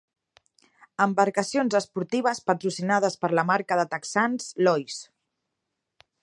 Embarcacions esportives patrocinades per la marca de texans Lois.